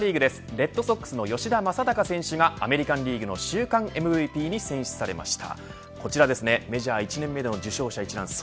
レッドソックスの吉田正尚選手がアメリカンリーグの週間ＭＶＰに選出されました。